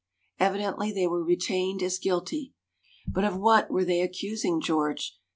Evidently they were retained as guilty. But of what were they accusing George?